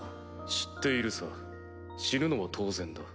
知っているさ死ぬのは当然だ。